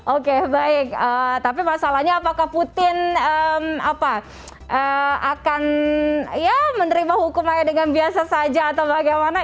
oke baik tapi masalahnya apakah putin akan ya menerima hukumannya dengan biasa saja atau bagaimana